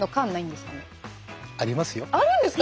あるんですか？